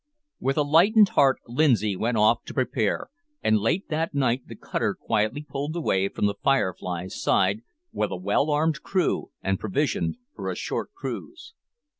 With a lightened heart Lindsay went off to prepare, and late that night the cutter quietly pulled away from the `Firefly's' side, with a well armed crew, and provisioned for a short cruise.